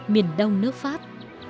miền đông nước pháp